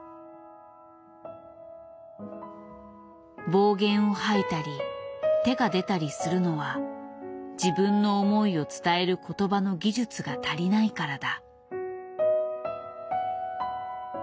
暴言を吐いたり手が出たりするのは自分の思いを伝える言葉の技術が足りないからだ。